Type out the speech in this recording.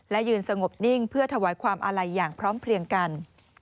และยืนสงบนิ่งเพื่อถวายความอาลัยอย่างพร้อมเพลียงกัน